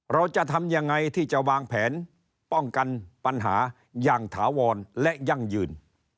เราจะทำยังไงที่จะวางแผนป้องกันปัญหาอย่างถาวรและยั่งยืน